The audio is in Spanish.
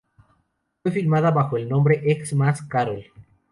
Fue filmada bajo el nombre "Ex-Mas Carol".